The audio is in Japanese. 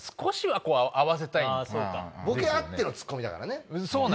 ボケあってのツッコミだからね。